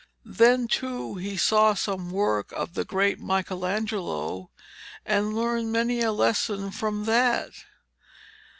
Then too he saw some work of the great Michelangelo, and learned many a lesson from that.